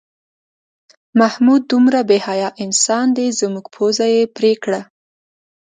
محمود دومره بې حیا انسان دی زموږ پوزه یې پرې کړه.